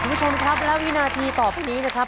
คุณผู้ชมครับและวินาทีต่อไปนี้นะครับ